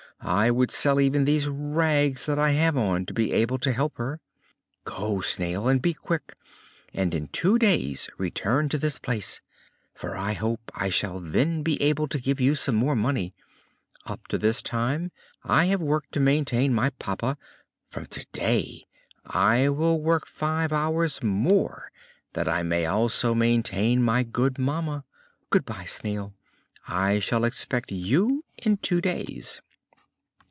I would sell even these rags that I have on to be able to help her. Go, Snail, and be quick; and in two days return to this place, for I hope I shall then be able to give you some more money. Up to this time I have worked to maintain my papa; from today I will work five hours more that I may also maintain my good mamma. Good bye, Snail, I shall expect you in two days."